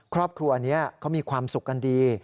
ครอบครัวนี้เขามีความสุขกันดี